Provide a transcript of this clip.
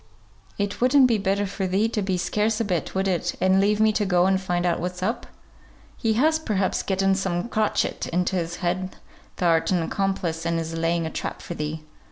"It wouldn't be better for thee to be scarce a bit, would it, and leave me to go and find out what's up? He has, perhaps, getten some crotchet into his head thou'rt an accomplice, and is laying a trap for thee."